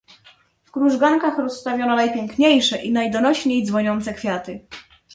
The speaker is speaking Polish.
"W krużgankach rozstawiono najpiękniejsze i najdonośniej dzwoniące kwiaty."